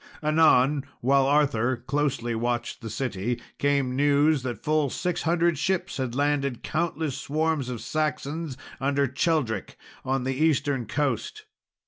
Anon, while Arthur closely watched the city, came news that full six hundred ships had landed countless swarms of Saxons, under Cheldric, on the eastern coast.